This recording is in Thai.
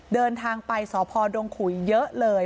เดินทางไปสพดงขุยเยอะเลย